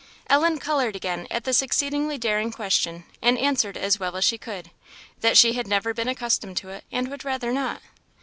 Ellen coloured again at this exceedingly daring question, and answered as well as she could, that she had never been accustomed to it, and would rather not.